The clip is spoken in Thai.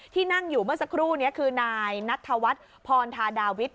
ที่นั่งอยู่เมื่อสักครู่นี้คือนายนัทธวัฒน์พรธาดาวิทย